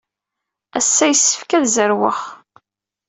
Ass-a, yessefk ad zerweɣ.